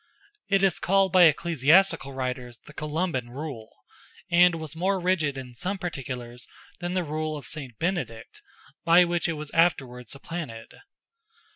It is called by ecclesiastical writers the Columban rule, and was more rigid in some particulars than the rule of St. Benedict, by which it was afterwards supplanted.